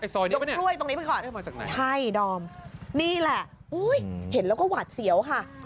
ไอ้ซอยนี้มั้ยเนี่ยใช่ดอมนี่แหละอุ๊ยเห็นแล้วก็หวัดเสียวค่ะ